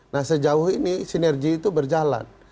nah sejauh ini sinergi itu berjalan